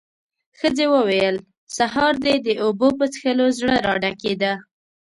ښځې وويل: سهار دې د اوبو په څښلو زړه راډکېده.